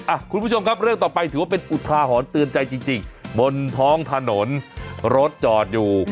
คุณผู้ชมครับเรื่องต่อไปถือว่าเป็นอุทาหรณ์เตือนใจจริงบนท้องถนนรถจอดอยู่